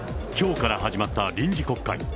きょうから始まった臨時国会。